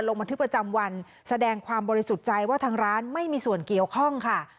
ลงบันทึกประจำวันแสดงความบริสุทธิ์ใจว่าทางร้านไม่มีส่วนเกี่ยวข้องค่ะ